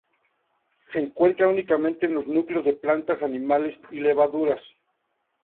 Se encuentran únicamente en los núcleos de plantas, animales y levaduras.